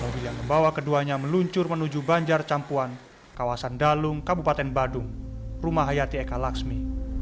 mobil yang membawa keduanya meluncur menuju banjar campuan kawasan dalung kabupaten badung rumah hayati eka laksmi